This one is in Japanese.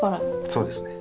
そうですね。